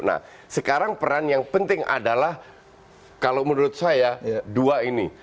nah sekarang peran yang penting adalah kalau menurut saya dua ini